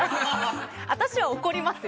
私は怒りますよ。